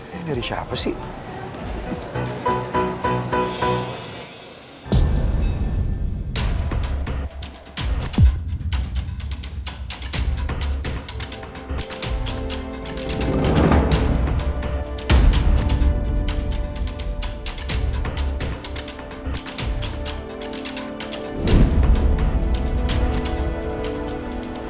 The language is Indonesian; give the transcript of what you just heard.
ini dari siapa sih